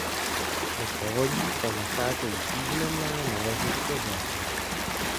V povodí se nacházejí významná naleziště zlata.